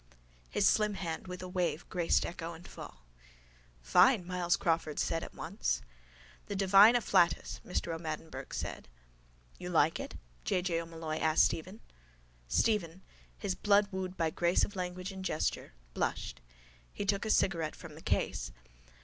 _ His slim hand with a wave graced echo and fall. —Fine! Myles Crawford said at once. —The divine afflatus, Mr O'Madden Burke said. —You like it? J. J. O'Molloy asked Stephen. Stephen, his blood wooed by grace of language and gesture, blushed. He took a cigarette from the case.